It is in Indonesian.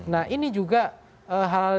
nah ini juga hal